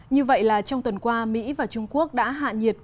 như vậy là trong tuần qua mỹ và trung quốc đã hạn nhiệt cuộc chiến thứ hai